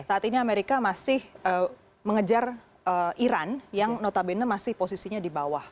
saat ini amerika masih mengejar iran yang notabene masih posisinya di bawah